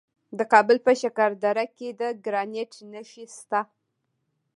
د کابل په شکردره کې د ګرانیټ نښې شته.